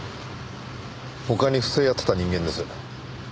他に不正やってた人間です。